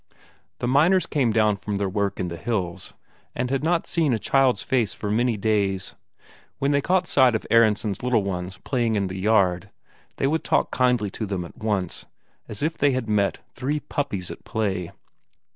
The miners came down from their work in the hills, and had not seen a child's face for many days; when they caught sight of Aronsen's little ones playing in the yard, they would talk kindly to them at once, as if they had met three puppies at play.